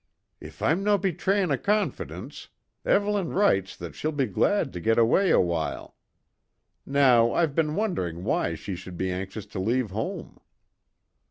"If I'm no betraying a confidence; Evelyn writes that she'll be glad to get away a while. Now, I've been wondering why she should be anxious to leave home."